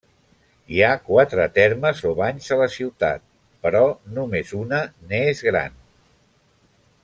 Hi ha quatre termes o banys a la ciutat, però només una n'és gran.